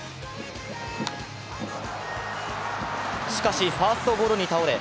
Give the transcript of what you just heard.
しかしファーストゴロに倒れ